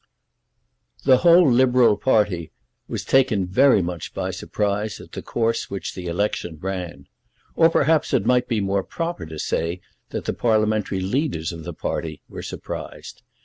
The whole Liberal party was taken very much by surprise at the course which the election ran. Or perhaps it might be more proper to say that the parliamentary leaders of the party were surprised.